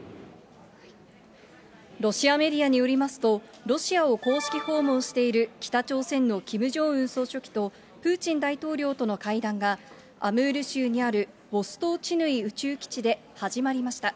ロシアメディアによりますと、ロシアを公式訪問している北朝鮮のキム・ジョンウン総書記と、プーチン大統領との会談が、アムール州にあるボストーチヌイ宇宙基地で始まりました。